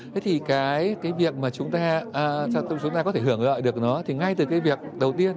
thế thì cái việc mà chúng ta có thể hưởng lợi được nó thì ngay từ cái việc đầu tiên